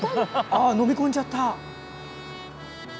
飲み込んじゃった！